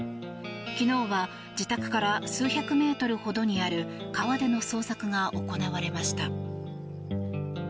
昨日は自宅から数百メートルほどにある川での捜索が行われました。